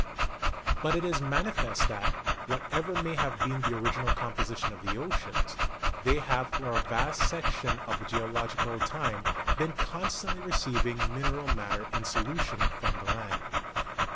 But it is manifest that, whatever may have been the original composition of the oceans, they have for a vast section of geological time been constantly receiving min eral matter in solution from the land.